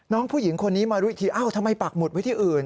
น้องผู้หญิงคนนี้มารู้อีกทีเอ้าทำไมปากหมุดไว้ที่อื่น